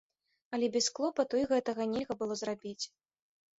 Але без клопату і гэтага нельга было зрабіць.